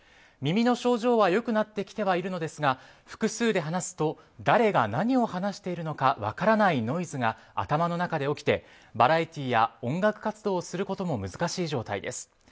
耳の症状は良くなってきてはいるのですが複数で話すと誰が何を話しているのか分からないノイズが頭の中で起きてバラエティーや音楽活動をすることも難しい状態です。